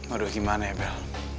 aduh gimana ya bel